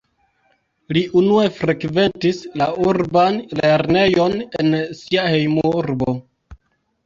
Li unue frekventis la urban lernejon en sia hejmurbo.